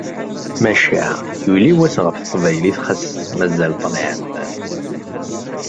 Maca yuli wass ɣef teqbaylit ɣas mazal ṭṭlam.